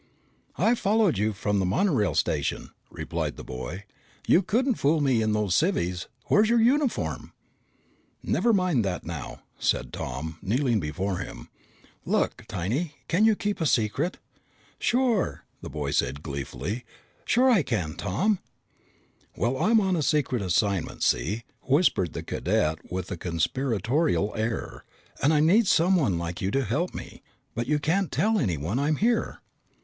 "I followed you from the monorail station," replied the boy. "You couldn't fool me in those civvies. Where's your uniform?" "Never mind that now," said Tom, kneeling before him. "Look, Tiny, can you keep a secret?" "Sure!" said the boy gleefully. "Sure I can, Tom." "Well, I'm on a secret assignment, see?" whispered the cadet with a conspiratorial air. "And I need someone like you to help me. But you can't tell anyone I'm here!"